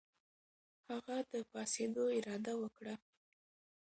هغه د پاڅېدو اراده وکړه.